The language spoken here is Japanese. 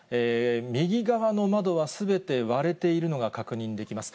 右側の窓はすべて割れているのが確認できます。